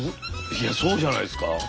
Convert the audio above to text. いやそうじゃないですか？